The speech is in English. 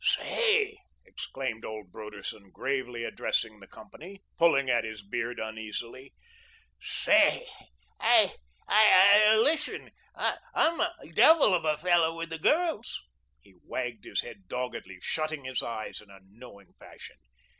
"Say!" exclaimed old Broderson, gravely addressing the company, pulling at his beard uneasily "say! I I listen! I'm a devil of a fellow with the girls." He wagged his head doggedly, shutting his eyes in a knowing fashion.